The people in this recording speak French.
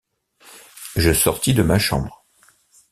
Je sortis de ma chambre.